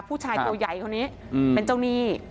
ผู้ชายตัวใหญ่คนนี้เป็นเจ้าหนี้